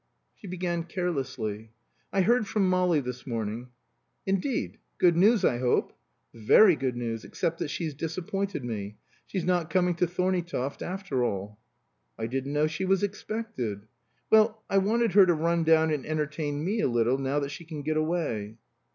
She began carelessly. "I heard from Molly this morning." "Indeed? Good news, I hope?" "Very good news. Except that she's disappointed me. She's not coming to Thorneytoft after all." "I didn't know she was expected." "Well, I wanted her to run down and entertain me a little, now that she can get away."